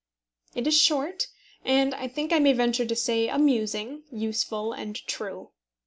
It is short, and, I think I may venture to say, amusing, useful, and true.